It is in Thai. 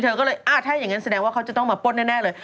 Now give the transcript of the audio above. เธอก็เลยถ้าอย่างนั้นแสดงว่าเขาจะต้องมาป้นแน่เลย